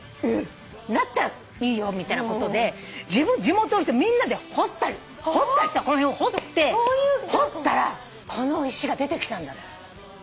だったらいいよみたいなことで地元の人みんなでこの辺を掘って掘ったらこの石が出てきたんだって。